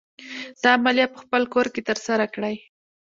دا عملیه په خپل کور کې تر سره کړئ.